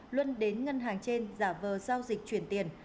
luân đến ngân hàng trên giả vờ giao dịch chuyển tiền